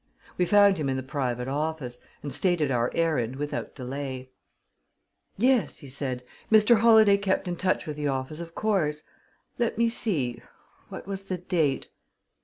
We found him in the private office, and stated our errand without delay. "Yes," he said, "Mr. Holladay kept in touch with the office, of course. Let me see what was the date?"